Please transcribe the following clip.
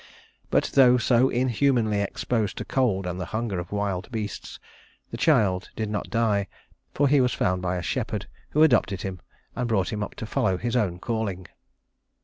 But though so inhumanly exposed to cold and the hunger of wild beasts, the child did not die, for he was found by a shepherd, who adopted him and brought him up to follow his own calling.